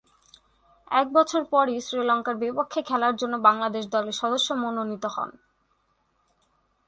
একবছর পরই শ্রীলঙ্কার বিপক্ষে খেলার জন্য বাংলাদেশ দলের সদস্য মনোনীত হন।